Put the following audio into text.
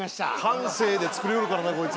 感性で作りよるからなこいつは。